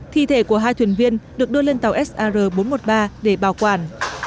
thi thể của hai thuyền viên được đưa lên tàu sr bốn trăm một mươi ba để bảo quản